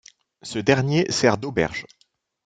Ce dernier sert d'auberge.